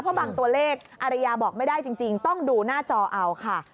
เพราะบางตัวเลขอารยาบอกไม่ได้จริงต้องดูหน้าจอเอาค่ะ